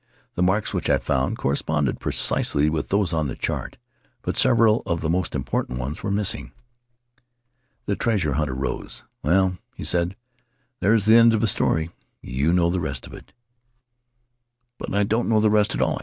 The marks which I found corresponded precisely with those on the chart, but several of the most important ones were missing." The treasure hunter rose. "Well," he said, "there's the end of the story. You know the rest of it." "But I don't know the rest at all!"